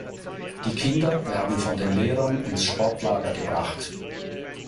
Die Kinder werden von den Lehrern ins Sportlager gebracht.